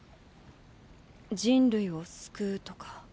人類を救うとか